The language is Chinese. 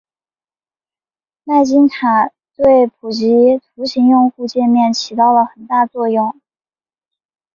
麦金塔对普及图形用户界面起到了很大作用。